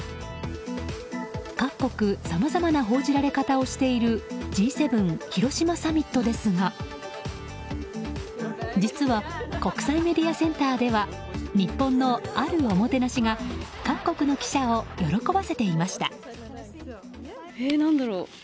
各国さまざまな報じ方をしているＧ７広島サミットですが実は国際メディアセンターでは日本の、あるおもてなしが各国の記者を喜ばせていました。